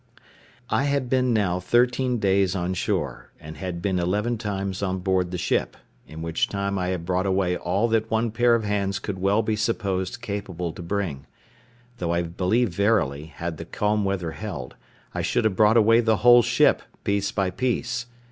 I had been now thirteen days on shore, and had been eleven times on board the ship, in which time I had brought away all that one pair of hands could well be supposed capable to bring; though I believe verily, had the calm weather held, I should have brought away the whole ship, piece by piece.